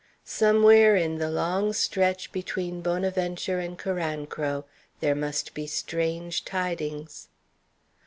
Somewhere in the long stretch between Bonaventure and Carancro there must be strange tidings.